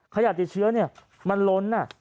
ขยะติดเชื้อมันล้นน่ะ